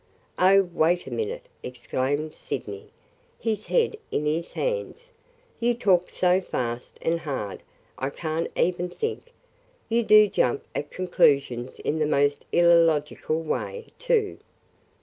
"Oh, wait a minute!" exclaimed Sydney, his head in his hands. "You talk so fast and hard I can't even think! You do jump at conclusions in the most illogical way, too.